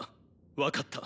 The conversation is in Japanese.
分かった。